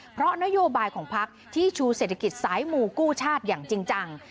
เพราะนโยบายของพักที่ชูเศรษฐกิจสายหมู่กู้ชาติอย่างจริงจัง